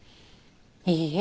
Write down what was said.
いいえ。